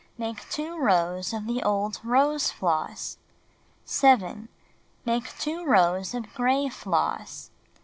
ISIake 2 rows of the old rose floss. 7. Make 2 rows of gray floss.